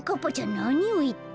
なにをいって。